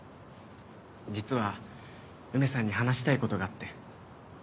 実は梅さんに話したい事があって。